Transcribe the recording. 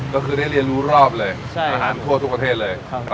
ก็คือได้เรียนรู้รอบเลยอาหารทั่วทุกประเทศเลย